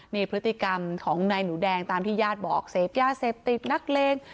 นี่พฤติกรรมของนายหนูแดงตามที่ญาติบอกเสพยาเสพติดนักเลง